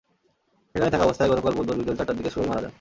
সেখানেই থাকা অবস্থায় গতকাল বুধবার বিকেল চারটার দিকে সুরভী মারা যান।